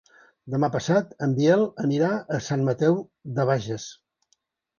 Demà passat en Biel anirà a Sant Mateu de Bages.